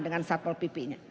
dengan satpol pp nya